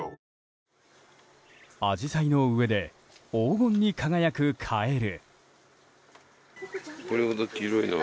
アジサイの上で黄金に輝くカエル。